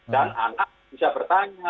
dan anak bisa bertanya